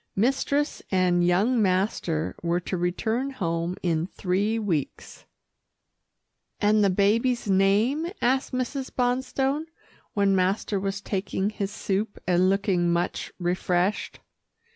Mistress and young master were to return home in three weeks. "And the baby's name?" asked Mrs. Bonstone, when master was taking his soup and looking much refreshed.